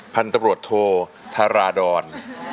พันธุ์ตำรวจโทธาราดร